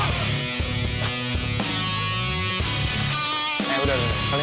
sampai jumpa lagi